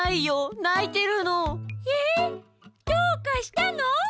えっどうかしたの？